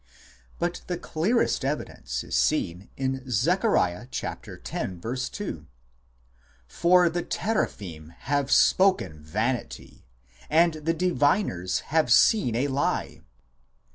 But the clearest evidence is seen in Zech. x. 2 :" For the Teraphim have spoken vanity, and the diviners have seen a lie."